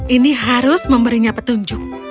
ini harus memberinya petunjuk